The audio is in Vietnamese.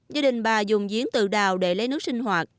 gia đình bà dùng giếng tự đào để lấy nước sinh hoạt